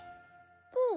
こう？